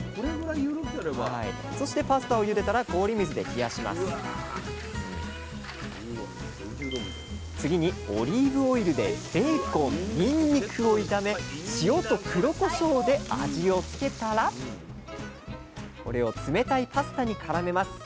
そしてパスタをゆでたら氷水で冷やします次にオリーブオイルでベーコンニンニクを炒め塩と黒こしょうで味をつけたらこれを冷たいパスタにからめます。